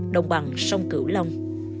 đồng bằng sông cửu long